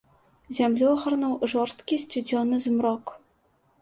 Зямлю агарнуў жорсткі сцюдзёны змрок.